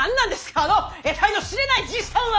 あのえたいの知れないじいさんは？